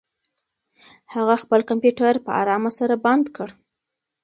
هغه خپل کمپیوټر په ارامه سره بند کړ.